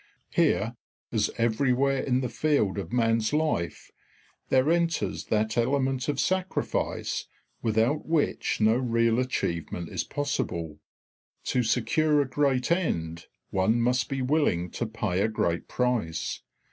Here, as everywhere in the field of man's life, there enters that element of sacrifice without which no real achievement is possible. To secure a great end, one must be willing to pay a great price.